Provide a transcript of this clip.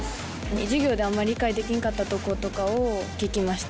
授業であんま理解できんかったとことかを聞きました。